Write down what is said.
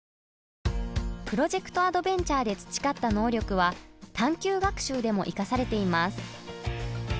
プロジェクトアドベンチャーで培った能力は探究学習でも生かされています。